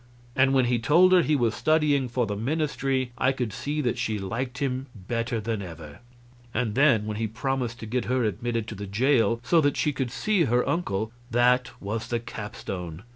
And when he told her he was studying for the ministry I could see that she liked him better than ever. And then, when he promised to get her admitted to the jail so that she could see her uncle, that was the capstone.